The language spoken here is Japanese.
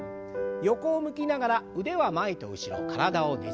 横を向きながら腕は前と後ろ体をねじります。